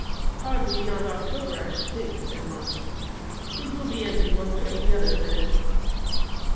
'Hardly beyond October I should think,' said Martyn. 'It will be ended, one way or the other, then.'